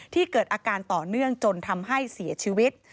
เกิดอาการต่อเนื่องจนทำให้เสียชีวิต